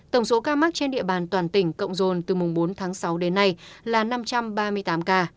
tổng số ca mắc trên địa bàn toàn tỉnh cộng dồn từ bốn sáu đến nay là năm trăm ba mươi tám k